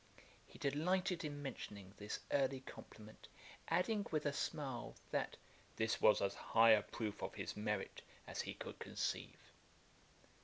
He delighted in mentioning this early compliment: adding, with a smile, that 'this was as high a proof of his merit as he could conceive.'